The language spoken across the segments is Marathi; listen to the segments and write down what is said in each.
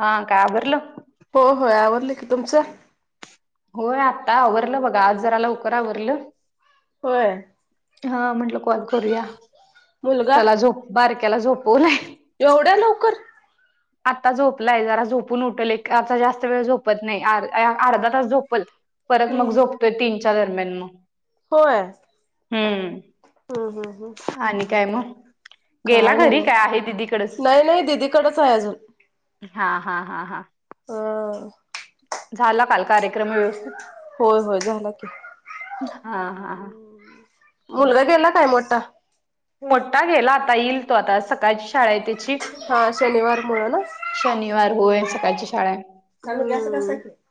हा काय आवरल? हो होय आवडली की तुमचं? होय आता आवरलं बघा आज जराला लवकर आवरलं. होय हा म्हटलं कॉल करूया मुलगा त्याला झोप बारक्याला झोपवूून येवढ्या लवकर? आता झोपलाय जरा झोपून उठल एक आता जास्त वेळ झोपत नाही अर्धा तास झोपल. परत हम्म मग झोपतोय तीन चार दरम्यान मग. होय हम्म हम्म हम्म हम्म आणि काय मग. गेला काय घरी काय आहे दिदीकडच? कडच आहे अजून. हा हा हा हा. होयय. झाला काल कार्यक्रम व्यवस्थित? होय होय झाला की, हा हा हा. मुलगा गेला काय मोठा? मोठा गेला आता येईल तो आता सकाळची शाळा आहे तेची. हा शनिवार मुळ ना शनिवार होय सकाळची शाळा हाय. हम्म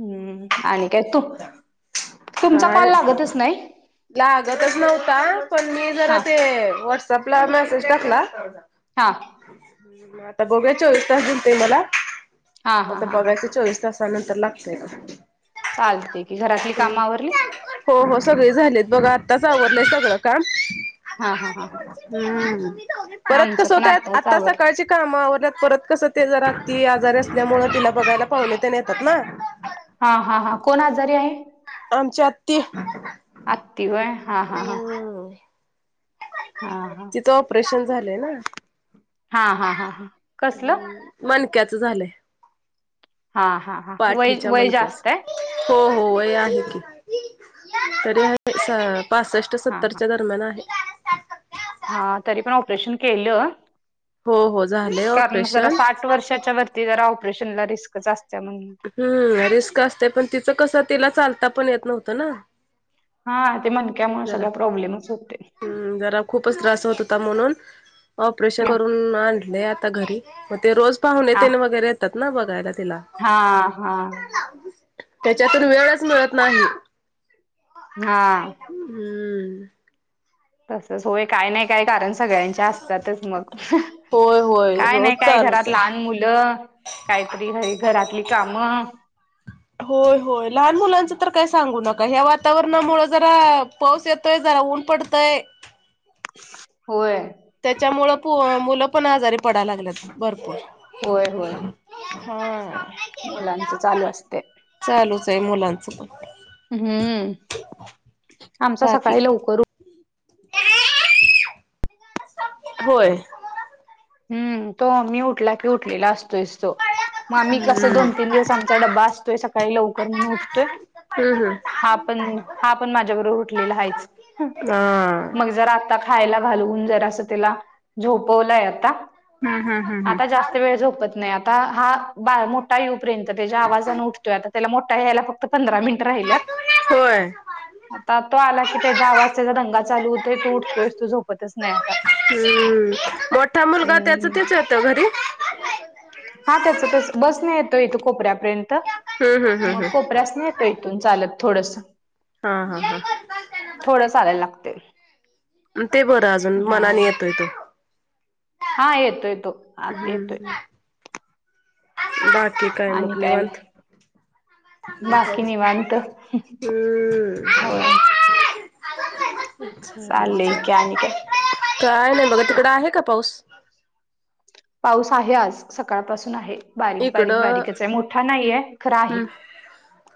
हम्म आणि काय तू तुमचा कॉल काय लागतच नाही? लागतच नव्हता पण मी जरा हा ते व्हॉट्सअपला मेसेज टाकला हा म आता बघूया चोवीस तास होतय मला हा हा आता हा हा बघायचे चोवीस तास सानंतर लागतय का. चालतय की घरातली काम आवरली? हो हो सगळे झालेत बघा आत्ताच आवरले सगळं काम. हा हा हा हम् हा परत आमचं कस पण होतय आ आत्ताच आता आवरलं सकाळची काम आवरल्यात परत कसं ते जरा ती आजारी असल्यामुळ तिला बघायला पाहुणेतेन येतात ना. हा, हा, हा कोण आजारी आहे? आमची आत्ती आत्ती व्हय. हुं हा हा तिचं ऑपरेशन झालंय ना. हा, हा, हा, हा कसलं? मणक्याच झालंय हा हा हा वय पाठीच्या वय मणक्याच. जास्त आहे हो हो वय आहे की तरी हाय स पासष्ट हा हा सत्तरच्या दर म्यान आहे. हा तरी पण ऑपरेशन केलं. हो हो झालंय कारण जरा ऑपरेशन. साठ वर्षाच्या वरती जरा ऑपरेशनला रिस्क जास्त [unintelligible] हम् रिस्क असते पण तिचं कसं तिला चालता पण येत नव्हतं ना. हा ते मणक्यामुळ सगळा प्रॉब्लेमच होते. हुं जरा खूपच त्रास होत होता म्हणून ऑपरेशन हा करून आणलय आता घरी म ते रोज हा पाहुनेतेन वगैरे येतात ना बघायला तिला. हा, हा. तेच्यातून वेळच मिळत नाही. हा. हम्म. तसच होय काय नाही काय कारण सगळ्यांच्या आसत्यातच मग. होय होय काय रोज नाही काय चालूच घरात आहे. लहान मुलं काहीतरी घरी घरातली कामं. होय होय लहान मुलांचं तर काय सांगू नका ह्या वातावरणामूळ जरा पाऊस येतोय जरा ऊन पडतय होय. त्याच्यामुळं पो मुलं पण आजारी पडाय लागल्यात भरपूर. होय होय हा. मुलांच चालू आसते. चालूच आहे मुलांचं पण. हुं आमचा बाकी सकाळी लवकर होय. हम्म तो मी उठला की उठलेला आसतोयस तो. म आम्ही कस हम्म. दोन तीन दिवसा आमचा ड्बा असतोय सकाळी लवकर म्हणू उठतोय. हम्म हम्म. हा पण हा पण माझ्या बरोबर उठलेला हायच हा. मग जरा आता खायला घालवून जरासं तेला झोपवलंय आता. हम्म हम्म हम्म आता जास्त हम्म. वेळ झोपत नाही आ ता हा बा मोठा येऊपर्यंत तेज्या आवाजान उठतोय आ ता तेला मोठा यायला फक्त पंधरा मिनट राहिल्यात. होय. आता तो आला की त्याच्या आवाज त्याचा दंगा चालू होतोय तो उठतोयस तो झोपतच नाही आता हम्म मोठा मुलगा त्याच हम्म त्येच येतो घरी? हा त्याच त्याच बसनी येतो इथ कोपऱ्यापर्यंत हम्म हम्म मग हम्म हम्म. कोपऱ्यासनं येतो इथून चालत थोडसं हा हा हा. थोडं चालायला लागतय. ते बरं अजून हा मनाने येतोय तो हा येतोय तो आ येतोय हम्म. बाकी काय म आणि मग? निवांत? बाकी हम्म निवांत [inaudible] [unintelligible] होय चालेल चाललंय चालेल की आणि काय? काय नाय बघा तिकडं आहे का पाऊस? पाऊस आहे आज सकाळपासून आहे. बारीक बारीक इकडं बारीकच आहे मोठा नाहीय खरा आहे हम्म.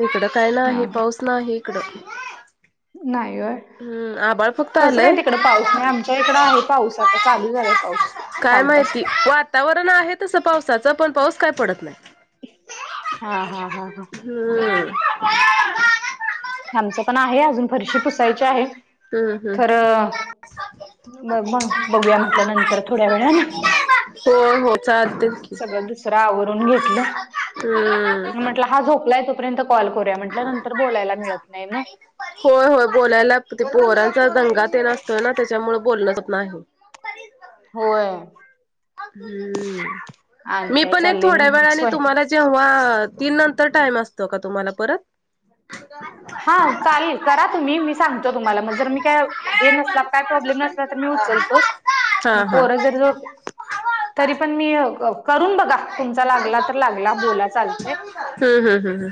इकडं काय हा नाही ह पाऊस नाही इकडं नाही वोय हम् आभाळ खुप कसं काय तिकड पाऊस नाही आमच्या इकडं आहे पाऊस आता चालू झालाय पाऊस काय माहिती कालपासून वातावरण आहे तसं पावसाचं पण पाऊस काय पडत नाही. हा हा हा हा हम् आमचं पण आहे अजून फरशी पुसायची आहे हम्म हम्म. खरं मग मग बघूया म्हटल्या नंतर थोड्या वेळानं हो हो चालतं. सगळं दुसरं आवरून घेतलं हम्म. म्हटलं हा झोपलाय तोपर्यंत कॉल करून म्हटल नंतर बोलायला मिळत नाही मग होय होय बोलायला ते पोरांचा दंगा ते न असतोय ना त्याच्यामुळे बोलणं होत नाही. होय. हम् आणि मी काय पण एक चाललंय थोड्या मग वेळाने स्वय तुम्हाला जेव्हा तीन नंतर टाईम असतो का तुम्हाला परत? हा चालेल करा तुम्ही मी सांगतो तुम्हाला जर मी काय? हे नसल्यावर काय प्रॉब्लेम नसला तर मी उचलतोच हा म हा. पोर जरी झो तरी पण मी करून बघा तुमचा लागला तर लागला बोला चालतय. हम्म हम्म हम्म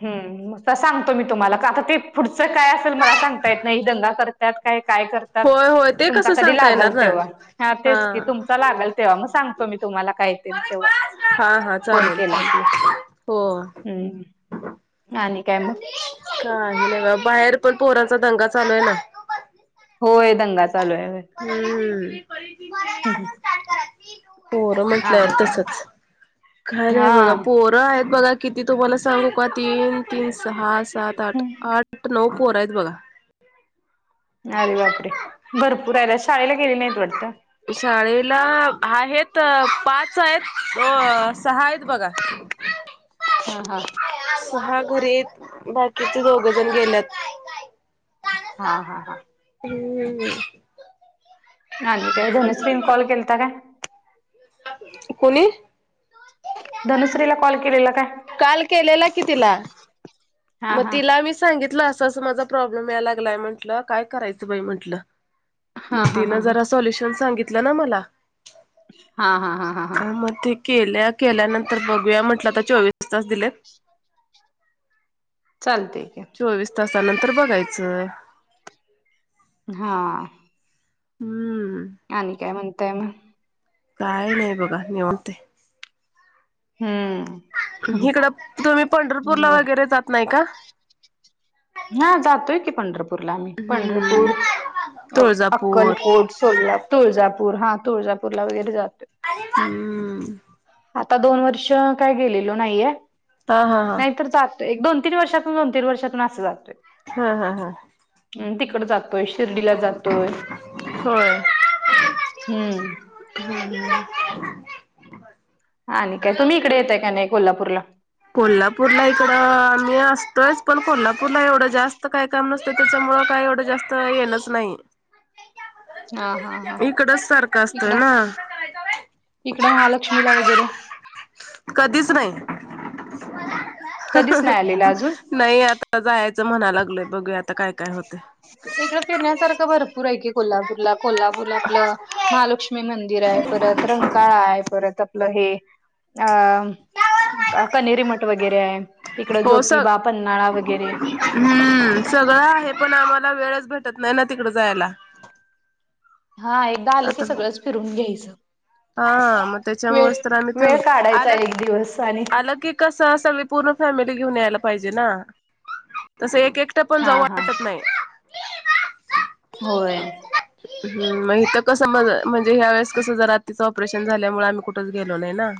ह सांगतो मी तुम्हाला का आता ते पुढचं काय असेल मला सांगता येत नाही दंगा करत. त्यात काय काय कर तर होय होय ते तुमचा कसं कधी सांगता लागल येणार ना तेव्हा ह हा. तेच की तुमचा लागेल तेव्हा मग सांगतो मी तुम्हाला काय ते तेव्हा हा हा फोन चालेल केला की चालेल हो हम्म आणि काय मग? काही नाही बघा बाहेर पण पोरांचा दंगा चालूय ना होय दंगा चालूय हम्म पोरं हा आणि म्हंटल्यावर काय तसचं काय नाय बघा हा पोरं आहेत बघा किती तुम्हाला सांगू का तीन तीन सहा सात आठ हम्म आठ नऊ पोरं आहेत बघा अरे बापरे! भरपूरायत शाळेला गेले नाहीत वाटतं? शाळेला आहेत पाच आहेत अ सहा आहेत बघा हा हा सहा घरीत बाकीचे दोघ जण गेल्यात. हा हा हा हम् आली काय धनश्रीन कॉल केलता काय? कोणी धनुश्रीला कॉल केलेला का काल केलेला कि तिला हा मग हा तिला मी सांगितलं असं असं माझा प्रॉब्लेम यायला लागलाय म्हटलं काय करायचं बाई म्हंटलं मग हा हा तिनं हा हा जरा सॉल्युशन सांगितलं ना मला हा हा हा हा हा का म ते केल्या केल्यानंतर बघूया म्हटलं तर चोवीस तास दिलेत तेक चोवीस तासानंतर बघायचंय हा हम्म आणि काय म्हणतय मग काय नाही बघा ने म्हनते हम्म इकडं तुम्ही पंढरपूरला बर वगैरे जात नाही का हा जातोय की पंढरपूरला आम्ही हम्म पंढरपूर अ तुळजापूर अक्कलकोट सोला तुळजापूर हा तुळजापूरला वगैरे जातो हम्म आता दोन वर्ष काय गेलेलो नाहीये हा हा हा नाहीतर जात एक दोन तीन वर्षातून दोन तीन वर्षातून असं जातोय हा हा हा हम् तिकड जातोय शिर्डीला जातोय होय. हम्म हम् ह हा न काय तुम्ही इकडे येतय का नाही कोल्हापूरला कोल्हापूरला इकडं आम्ी असतोच पण कोल्हापूरला एवढं जास्त काय म नसत त्याच्यामुळे काही एवढं जास्त येलच नाही [inaudible] हा हा इकडच सारखं असतं इकडं ना इकडं महालक्ष्मीला वगैरे कधीच नाही कधीच नाही आलेला अजून नाही आता जायचं म्हणा लागलय बघू आता काय काय होते इकडं फिरण्यासारखं भरपूर आहे की गुलाब ूरला कोल्हापूर आपलं महालक्ष्मी मंदिर आहे परत रंकाळा आहे परत आपलं हे अ कनेरी मठ वगैरे आहे इकड हो स ज्योतिबा पन््हाळा वगैरे हम्म सगळं आहे पण आम्हाला वेळच भेटत नाही ना तिकड जायला हा एकदा आलं की आता बघ सगळंच फिरून घ्यायचं. हा मग वेळ त्याच्यामुळेच तर आम्ही थांबल वेळ काढायचा आला की एक दिवस आणि आलं की. कसं सगळं फॅमिली घेऊन यायला पाहिजे ना तसं एक एक. तसं एकटं पण हा जाऊ हा वाटत नाही. होय. हम् मग तर कसं म म्हणजे ह्या वेळेस कसं जरा. ऑपरेशन झाल्यामुळे आम्ही कुठेच गेलो नाही ना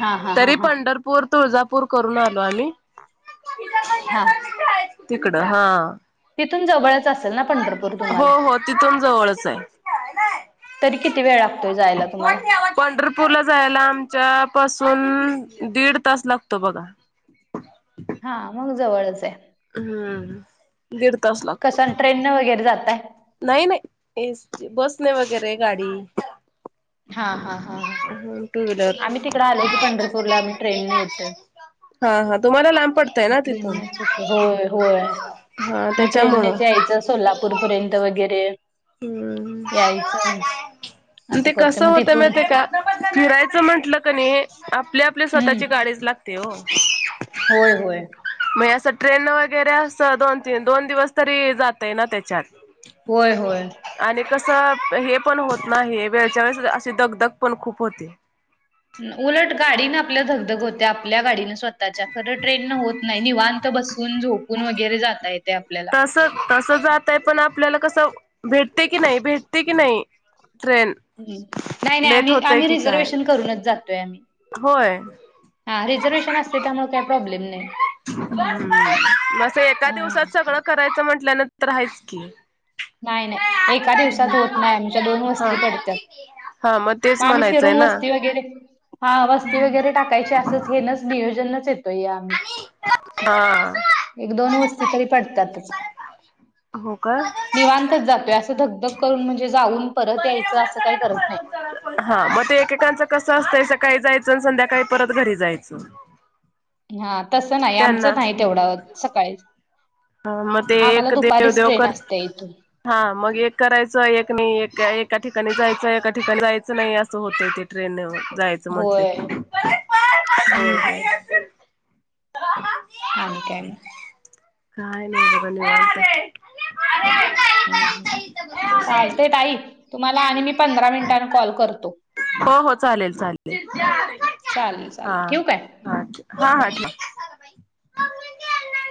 हा हा हा तरी पंढरपूर. हा पंढरपूर तुळजापूर करून आलो आम्ही. हां. तिकडं हा. तिथून जवळच असेल ना पंढरपूर हो तुम्हाला. हो तिथून जवळच आहे. तरी किती वेळ लागतोय जायला तुम्हाला. पंढरपूरला जायला आमच्या पासून दीड तास लागतो बघा. हा मग जवळच आहे. हम्म. दीड तास. लागतो कसं ट्रेनं वगैरे जातय.. नाही नाही बसणे वगैरे गाडी. हा हा हा ह टू व्हीलर आम्ही तिकडे आलो की पंढरपूरला आम्ही ट्रेन न येतो. हा हा तुम्हाला लांब पडतय ना तिथून. ट्रेननेच येतोय होय होय हा मग त्याच्यामुळं. ट्रेननेच यायचं सोलापूर पर्यंत वगैरे हम्म यायचं. असं ते कस करतोय मग होत मा तिथून का फिरायचं म्हंटलं क नाही आपल्या. आपली हम्म स्वतःची गाडीच लागते हो. होय होय मग असं ट्रेन वगैरे अस दोन तीन दोन दिवस तरी जातय ना त्याच्यात. होय होय. आणि कसं हे पण होत नाही वेळच्या वेळेस अशी दगदग पण खूप होते. उलट गाडीन आपल्या दगदग होत आपल्या गाडीनं स्वतःच्या खरं ट्रेन न होत नाही निवांत. बसून झोपून वगैरे जाता येते आपल्या. तं तस जात आहे पण आपल्याला कसं भेटते की नाही भेटते की नाही. ट्रेन. ह नाही नाही लेट आम्ही होतय आम्ही की काय रिझर्वेशन करूनच जातोय आम्ही. होय. हा रिझर्वेशन असते त्यामुळे काही प्रॉब्लेम नाही. मस एका अ दिवसात सगळं करायचं म्हंटल्यान तरहायच की. नाहीय नाही. एका दिवसात होत नाही आमच्या दोन हा वस्ती पडत्या हा तेच मग आम्ही म्हणायचंय फिरून ना वस्ती वगैरे. हा वस्ती वगैरे टाकायची असंच हे नाच नियोजनच येतो या आम्ही. हा. एक दोन वस्ती तरी पडतातच. हो का. निवांतच जातोय असं धकधक करून म्हणजे जाऊन परत यायचं असं काही करत नाही. हा मग ते एकेकांचं कस असतंय सं काही जायचं आणि संध्याकाळी परत घरी जायचं. हा तस नाही त्यांना आमचं नाही तेवढा सकाळी. हा मग ते एक देव देेव करत. इथून हा मग एक करायचं एक नाही एका ठिकाणी जायचं एका ठिकाणी जायचं नाही असं होतय ते. ट्रेन जायचं म्हंटलं होय की. ह होय होय हा. आणि आणि काय मग. काय नाही बागा निवांत. हम् चालते ताई तुम्हाला आणि मी पंधरा मिनिटांने कॉल करतो. हो हो चालेल चालेल चालेल हा चालेल ठेवू काय हा हा हा ठेवा.